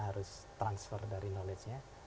harus transfer dari knowledge nya